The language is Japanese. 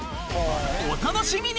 お楽しみに！